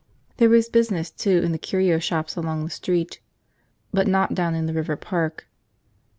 There was business too in the curio shops along the street. But not down in the river park.